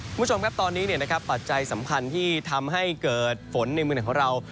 คุณผู้ชมครับตอนนี้ปัจจัยสำคัญที่ทำให้เกิดฝนในเมืองไหนของเรา